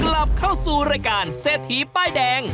กลับเข้าสู่รายการเศรษฐีป้ายแดง